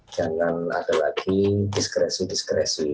jangan ada lagi diskresi diskresi